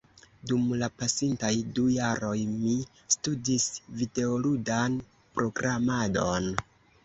dum la pasintaj du jaroj mi studis videoludan programadon